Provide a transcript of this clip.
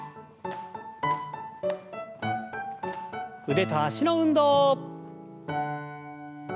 腕と脚の運動。